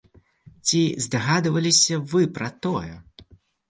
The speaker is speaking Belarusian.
Ці здагадваліся вы пра тое?